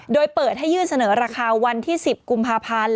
โดยเปิดให้ยื่นเสนอราคาวันที่๑๐กุมภาพันธ์